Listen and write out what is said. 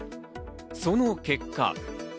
その結果。